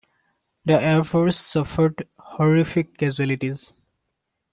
The air force suffered horrific casualties.